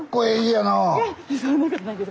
いやそんなことないです。